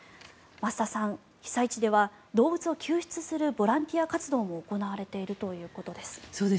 増田さん、被災地では動物を救出するボランティア活動も行われているということです。